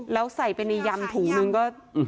แล้วใส่ไปในยำถุงนึงก็